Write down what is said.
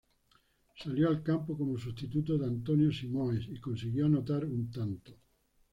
Salió al campo como sustituto de António Simões, y consiguió anotar un tanto.